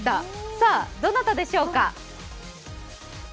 さあ、どなたでしょうか？